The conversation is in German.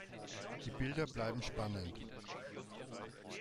Die Bilder bleiben spannend“".